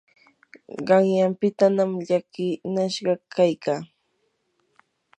qanyanpitanam llakinashqa kaykaa.